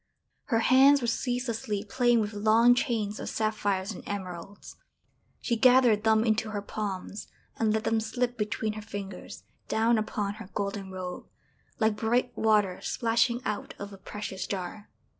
Her hands were ceaselessly playing with long chains of sapphires and emeralds. She gathered them into her palms, and let them slip between her fingers, down upon her golden robe, like bright water splashing out of a precious jar.